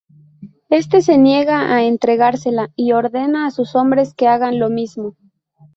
Este se niega a entregársela y ordena a sus hombres que hagan lo mismo.